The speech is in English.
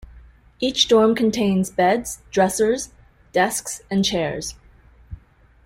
Each dorm contains beds, dressers, desks, and chairs.